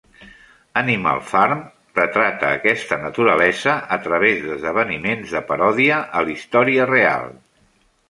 "Animal Farm" retrata aquesta naturalesa a través d'esdeveniments de paròdia a la història real.